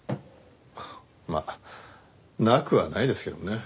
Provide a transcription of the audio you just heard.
はあまあなくはないですけどもね。